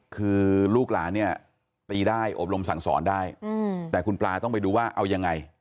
คือลูกหลานเนี่ยตีได้อบรมสั่งสอนได้แต่คุณปลาต้องไปดูว่าเอายังไง